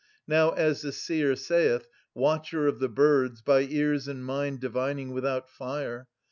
Now, as the seer saith, watcher of the birds, By ears and mind^ divining, without fire.